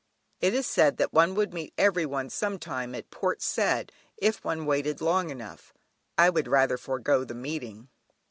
It is said that one would meet everyone sometime at Port Said if one waited long enough; I would rather forego the meeting.